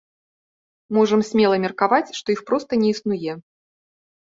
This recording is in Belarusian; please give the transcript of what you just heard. Можам смела меркаваць, што іх проста не існуе.